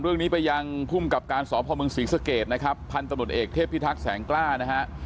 เรื่องนี้ไปยังภูมิกับการสพมศรีสเกตนะครับพันธุ์ตำรวจเอกเทพิทักษ์แสงกล้านะฮะ